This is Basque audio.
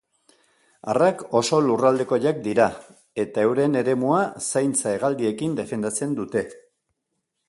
Arrak oso lurraldekoiak dira, eta euren eremua zaintza-hegaldiekin defendatzen dute.